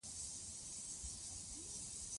باداران یې د مرګ له ویرې تښتېدل.